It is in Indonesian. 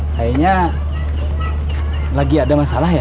kayaknya lagi ada masalah ya